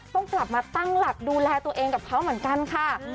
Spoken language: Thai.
ต้องกลับมาตั้งหลักดูแลตัวเองกับเขาเหมือนกันค่ะ